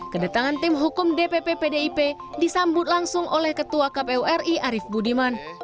kedatangan tim hukum dpp pdip disambut langsung oleh ketua kpu ri arief budiman